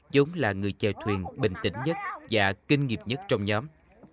chúng là người trèo thuyền bình tĩnh nhất và kinh nghiệp nhất trong nhóm